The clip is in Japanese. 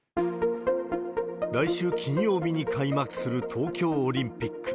来週金曜日に開幕する東京オリンピック。